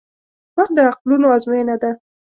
• وخت د عقلونو ازموینه ده.